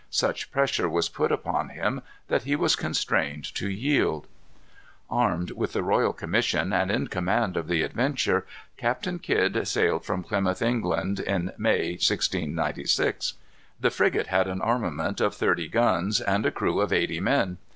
Such pressure was put upon him that he was constrained to yield. Armed with the royal commission, and in command of the Adventure, Captain Kidd sailed from Plymouth, England, in May, 1696. The frigate had an armament of thirty guns, and a crew of eighty men.